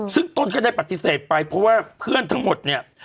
ซึ่งตนก็ได้ปฏิเสธไปเพราะว่าเพื่อนทั้งหมดเนี่ย